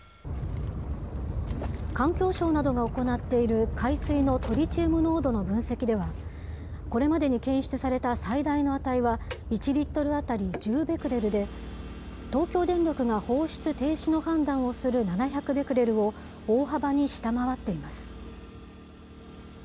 環境省などが行っている海水のトリチウム濃度の分析では、これまでに検出された最大の値は、１リットル当たり１０ベクレルで、東京電力が放出停止の判断をする７００ベクレルを大幅に下回っています。